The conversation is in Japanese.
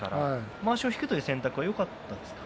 まわしを引くという選択はいかがでしたか？